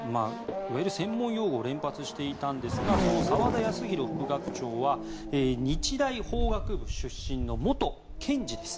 いわゆる専門用語を連発していたんですがその澤田康広副学長は日大法学部出身の元検事です。